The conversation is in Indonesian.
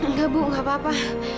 enggak bu nggak apa apa